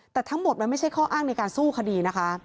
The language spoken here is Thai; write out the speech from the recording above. แต่ทั้งหมดมันไม่ใช่ข้ออ้างในการสู้คดีนะคะ